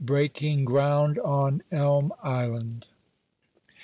BREAKING GROUND ON ELM ISLAND.